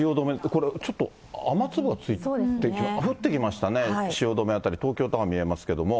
これちょっと雨粒がついて、降ってきましたね、汐留辺り、東京タワー見えますけども。